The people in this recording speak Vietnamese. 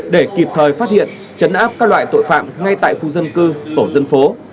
để kịp thời phát hiện chấn áp các loại tội phạm ngay tại khu dân cư tổ dân phố